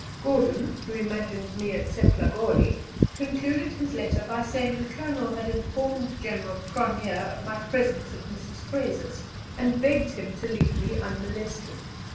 Gordon, who imagined me at Setlagoli, concluded his letter by saying the Colonel had informed General Cronje of my presence at Mrs. Fraser's, and begged him to leave me unmolested.